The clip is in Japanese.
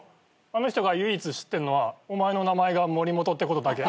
あの人が唯一知ってるのはお前の名前が森本ってことだけ。